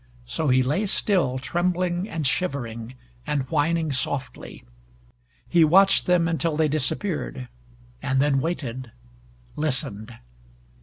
So he lay still, trembling and shivering, and whining softly. He watched them until they disappeared and then waited listened.